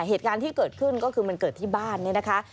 เหตุการณ์ที่เกิดขึ้นก็คือมันเกิดที่บ้านเนี่ยนะคะ